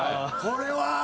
これは。